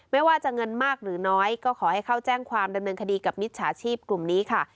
ไม่ว่าจะเงินมากหรือน้อยก็ขอให้เข้าแจ้งความดำเนินคดีกับมิจฉาชีพกลุ่มนี้ค่ะ